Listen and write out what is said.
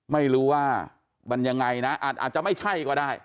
ไม่รู้ว่ามันยังไงนะอาจจะไม่ใช่ก็ได้